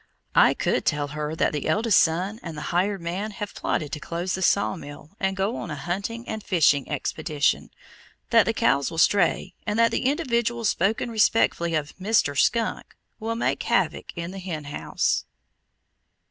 I could tell her that the eldest son and the "hired man" have plotted to close the saw mill and go on a hunting and fishing expedition, that the cows will stray, and that the individual spoken respectfully of as "Mr. Skunk" will make havoc in the hen house.